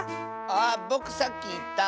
あっぼくさっきいった。